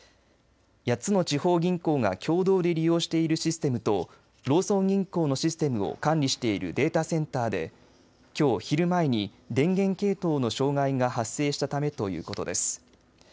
８つの地方銀行が共同で利用しているシステムとローソン銀行のシステムを管理しているデータセンターできょう、昼前に電源系統の障害が発生したためということです。